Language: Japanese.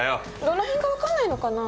どのへんがわかんないのかな？